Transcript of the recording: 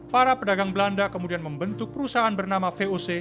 para pedagang belanda kemudian membentuk perusahaan bernama voc